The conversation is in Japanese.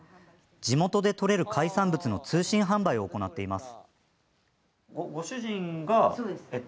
地元で取れる海産物の通信販売を行っています。